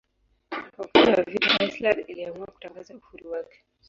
Wakati wa vita Iceland iliamua kutangaza uhuru wake.